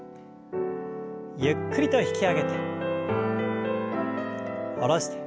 ゆっくりと引き上げて下ろして。